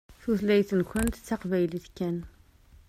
Tutlayt-nkent d taqbaylit kan.